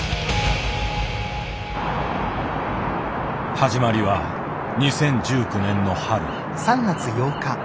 始まりは２０１９年の春。